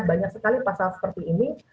banyak sekali pasal seperti ini